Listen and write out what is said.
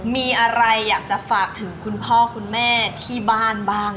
มีอะไรอยากจะฝากถึงคุณพ่อคุณแม่ที่บ้านบ้าง